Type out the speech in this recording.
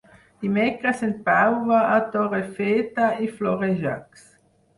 Dimecres en Pau va a Torrefeta i Florejacs.